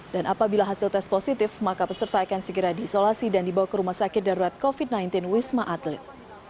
dan apabila hasil tes positif maka peserta akan segera diisolasi dan dibawa ke rumah sakit darurat covid sembilan belas wisma atlet